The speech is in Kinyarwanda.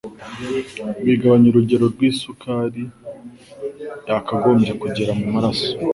Bigabanya urugero rw'isukari yakagombye kugera mu maraso